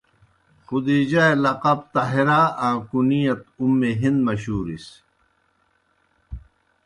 خُدیجہؓ اےْ لقب طاہرہ آں کُنیت اُم ہند مشہورِس۔